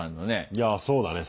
いやそうだね。